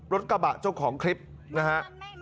รถกระบะเจ้าของคลิปนะฮะ